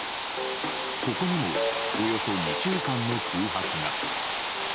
ここにも、およそ２週間の空白が。